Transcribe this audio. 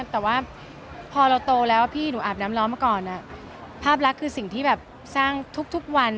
แต่ว่าพอเราโตแล้วพี่หนูอาบน้ำล้อมมาก่อนภาพลักษณ์คือสิ่งที่แบบสร้างทุกวัน